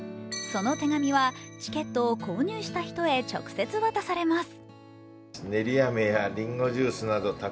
その手紙は、チケットを購入した人へ直接渡されます。